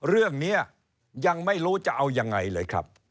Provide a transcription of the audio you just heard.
เรื่องนี้ยังไม่รู้จะเอายังไงเลยครับ